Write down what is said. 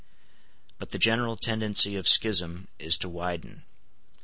But the general tendency of schism is to widen.